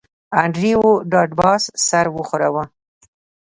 انډریو ډاټ باس سر وښوراوه